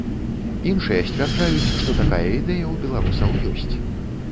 Іншыя сцвярджаюць, што такая ідэя ў беларусаў ёсць.